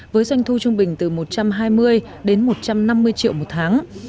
với doanh thu trung bình từ một trăm hai mươi đến một trăm năm mươi triệu một tháng